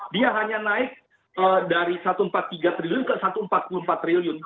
dia hanya naik dari satu ratus empat puluh tiga triliun ke satu ratus empat puluh empat triliun